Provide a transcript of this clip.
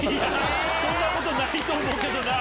そんなことないと思うけどな。